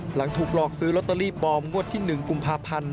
หลังถูกหลอกซื้อลอตเตอรี่ปลอมงวดที่๑กุมภาพันธ์